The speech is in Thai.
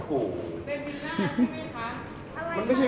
ปู่กลางป่าด้วยเว้ย